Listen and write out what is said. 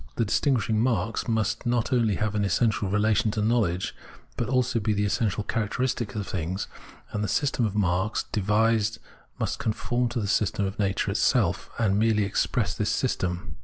The distinguishing "marks" must not only have an essential relation to Observation of Nature 239 knowledge but also be the essential characteristics of things, and the system of marks devised must conform to the system of nature itself, and merely express this system.